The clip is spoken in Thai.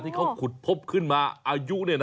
ที่เขาขุดพบขึ้นมาอายุ